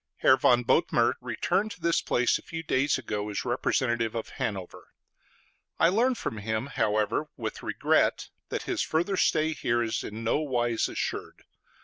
Herr von Bothmer returned to this place a few days ago as representative of Hanover; I learn from him, however, with regret, that his further stay here is in no wise assured.